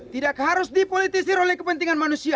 tidak harus dipolitisir oleh kepentingan manusia